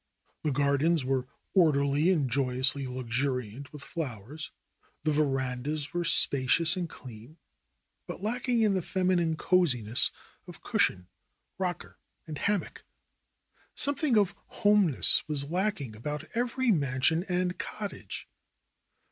The gardens were orderly and joyously luxuriant with flowers. The verandas were spacious and clean, but lacking in the feminine coziness of cushion^ rocker and hammock. Something of homeness was lack ing about every mansion and cottage.